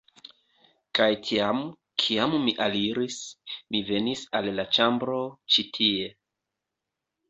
Kaj tiam, kiam mi aliris, mi venis al la ĉambro ĉi tie